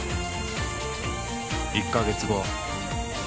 １カ月後。